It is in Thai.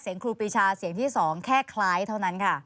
เสียงครูปีชาเสียงที่สองแค่คล้ายเท่านั้น